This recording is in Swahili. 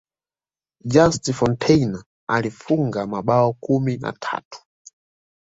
just fontaine alifunga mabao kumi na tatu